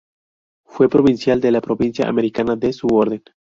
Fue provincial de la provincia americana de su orden.